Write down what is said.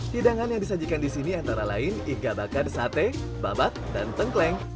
hidangan yang disajikan di sini antara lain iga bakar sate babat dan tengkleng